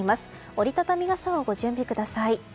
折り畳み傘をご準備ください。